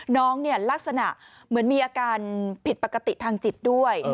ลักษณะเหมือนมีอาการผิดปกติทางจิตด้วย